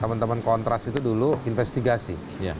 teman teman kontras itu dulu investigasi